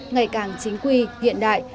ngày càng chính quy hiện đại